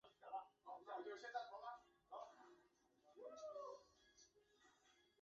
阿育王在自己的帝国和更广泛的古代世界传播佛教方面发挥了重要作用。